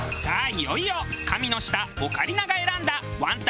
いよいよ神の舌オカリナが選んだワンタン第１位。